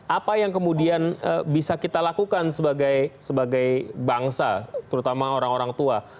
apa yang kemudian bisa kita lakukan sebagai bangsa terutama orang orang tua